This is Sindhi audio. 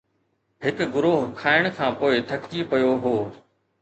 هڪ گروهه کائڻ کان پوءِ ٿڪجي پيو هو